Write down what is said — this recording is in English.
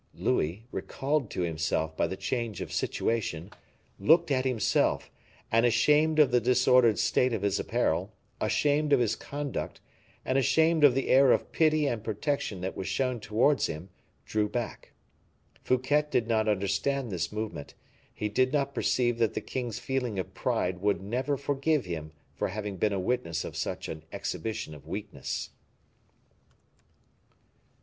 Louis, recalled to himself by the change of situation, looked at himself, and ashamed of the disordered state of his apparel, ashamed of his conduct, and ashamed of the air of pity and protection that was shown towards him, drew back. Fouquet did not understand this movement; he did not perceive that the king's feeling of pride would never forgive him for having been a witness of such an exhibition of weakness.